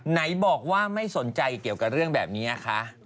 ไหนบอกว่าไม่สนใจเกี่ยวกับเรื่องแบบนี้คะ